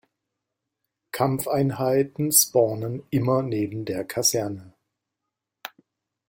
Kampfeinheiten spawnen immer neben der Kaserne.